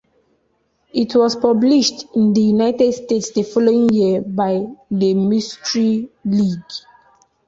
It was published in the United States the following year by The Mystery League.